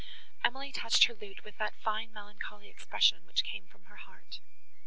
Emily touched her lute with that fine melancholy expression, which came from her heart.